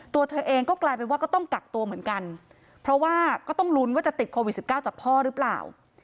ตัวเธอเองก็กลายเป็นว่าก็ต้องกักตัวเหมือนกันเพราะว่าก็ต้องลุ้นว่าจะติดโควิด๑๙จากพ่อหรือเปล่า